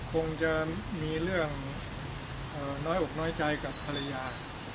คงจะมีเรื่องน้อยอกน้อยใจกับภรรยา